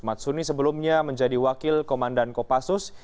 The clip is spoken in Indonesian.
matsuni sebelumnya menjadi wakil komandan kopassus